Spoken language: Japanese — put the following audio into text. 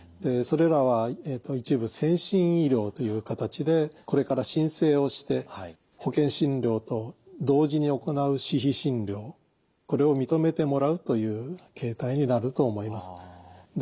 それらは一部先進医療という形でこれから申請をして保険診療と同時に行う私費診療これを認めてもらうという形態になると思います。